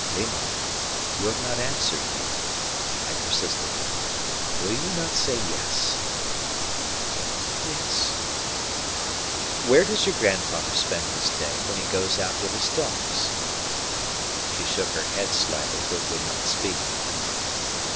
"Rima, you have not answered me," I persisted. "Will you not say yes?" "Yes." "Where does your grandfather spend his day when he goes out with his dogs?" She shook her head slightly, but would not speak.